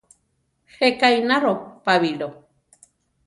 Jéka ináro Pabilo.